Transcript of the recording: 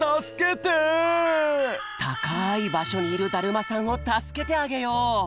たかいばしょにいるだるまさんをたすけてあげよう。